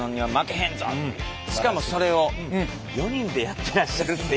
しかもそれを４人でやってらっしゃるっていう。